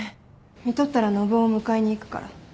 みとったら信男を迎えに行くから。